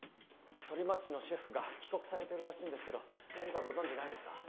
ソリマチのシェフが帰国されてるらしいんですけど何かご存じないですか？